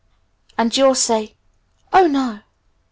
And you'll say, 'Oh, no!